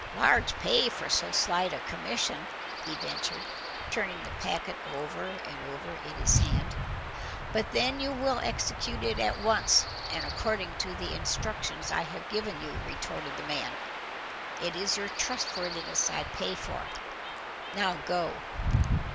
"Large pay for so slight a commission," he ventured, turning the packet over and over in his hand. "But then you will execute it at once, and according to the instructions I have given you," retorted the man. "It is your trustworthiness I pay for. Now go."